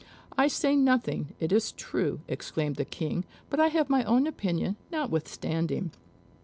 "I say nothing, it is true," exclaimed the King; "but I have my own opinion, notwithstanding."